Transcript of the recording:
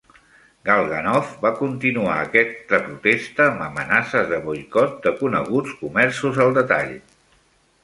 Galganov va continuar aquest protesta amb amenaces de boicot de coneguts comerços al detall.